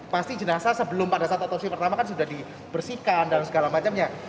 pasti jenazah sebelum pada saat otopsi pertama kan sudah dibersihkan dan segala macamnya